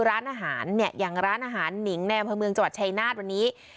ร้านอาหารอย่างร้านอาหารหนิงพรเมืองจวาดชายนาฏวันนี้